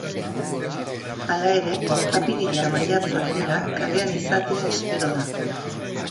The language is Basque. Hala ere, apirila-maiatza aldera kalean izatea espero da.